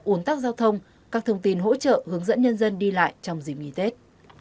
ủn tắc giao thông các thông tin hỗ trợ hướng dẫn nhân dân đi lại trong dịp nghỉ tết